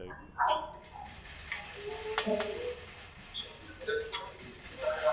Vikundi vikubwa katika jumla la makabila ni Wahausa na Wafula